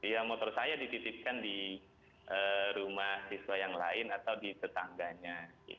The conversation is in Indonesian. ya motor saya dititipkan di rumah siswa yang lain atau di tetangganya